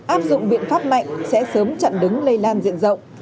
áp dụng biện pháp mạnh sẽ sớm chặn đứng lây lan diện rộng